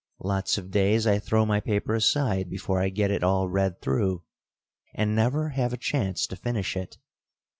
Lots of days I throw my paper aside before I get it all read through, and never have a chance to finish it.